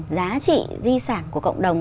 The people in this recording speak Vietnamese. giá trị di sản của cộng đồng